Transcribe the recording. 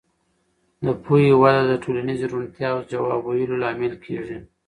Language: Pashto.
د پوهې وده د ټولنیزې روڼتیا او ځواب ویلو لامل کېږي.